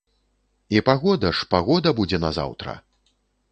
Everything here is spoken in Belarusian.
І пагода ж, пагода будзе на заўтра.